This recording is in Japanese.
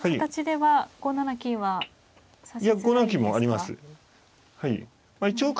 はい。